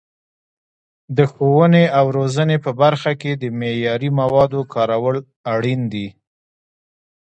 د ښوونې او روزنې په برخه کې د معیاري موادو کارول اړین دي.